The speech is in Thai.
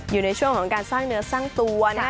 อยู่ในช่วงของการสร้างเนื้อสร้างตัวนะ